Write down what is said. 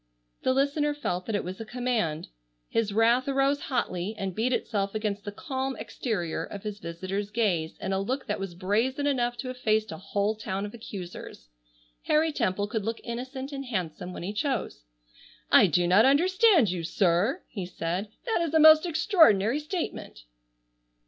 The listener felt that it was a command. His wrath arose hotly, and beat itself against the calm exterior of his visitor's gaze in a look that was brazen enough to have faced a whole town of accusers. Harry Temple could look innocent and handsome when he chose. "I do not understand you, sir!" he said. "That is a most extraordinary statement!"